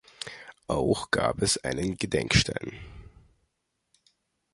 Auch gab es einen Gedenkstein.